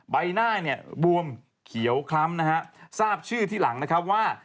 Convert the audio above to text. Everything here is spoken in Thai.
ใบหน้าบวมเขียวคล้ำทราบชื่อที่หลังว่า